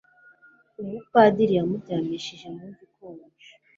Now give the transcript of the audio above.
umupadiri yamuryamishije mu mva ikonje